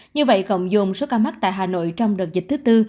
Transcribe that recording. như vậy cộng dồn số ca mắc tại hà nội trong đợt dịch thứ tư